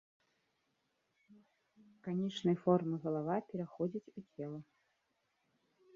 Канічнай формы галава пераходзіць у цела.